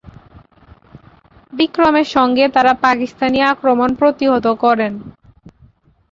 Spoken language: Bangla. বিক্রমের সঙ্গে তারা পাকিস্তানি আক্রমণ প্রতিহত করেন।